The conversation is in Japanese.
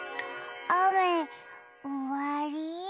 あめおわり？